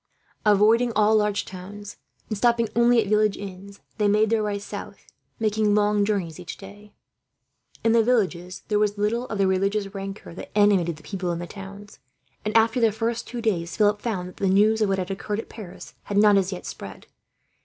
Avoiding all large towns, and stopping only at village inns, they made their way south; making long journeys each day. In the villages there was little of the religious rancour that animated the people in the towns and, after the first two days, Philip found that the news of what had occurred at Paris had not, as yet, spread.